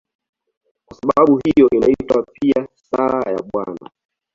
Kwa sababu hiyo inaitwa pia "Sala ya Bwana".